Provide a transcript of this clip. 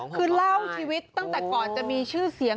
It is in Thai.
คือเล่าชีวิตตั้งแต่ก่อนจะมีชื่อเสียง